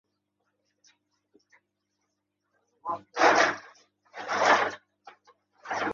Jihod terror degani emas